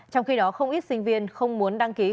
trong khi đó không ít sinh viên không muốn đăng ký sinh viên